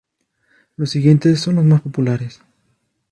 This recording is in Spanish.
Los siguientes son los más populares.